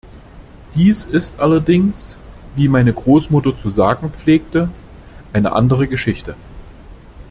Dies ist allerdings, wie meine Großmutter zu sagen pflegte, eine andere Geschichte.